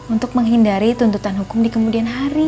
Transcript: untuk menghindari tuntutan hukum di kemudian hari